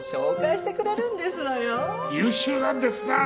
優秀なんですなぁ。